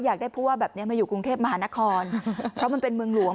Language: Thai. อยากได้ผู้ว่าแบบนี้มาอยู่กรุงเทพมหานครเพราะมันเป็นเมืองหลวง